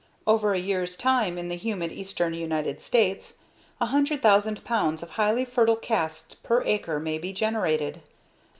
Over a year's time in the humid eastern United States, 100,000 pounds of highly fertile casts per acre may be generated.